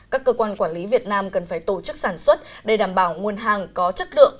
các cơ quan quản lý việt nam cần phải tổ chức sản xuất để đảm bảo nguồn hàng có chất lượng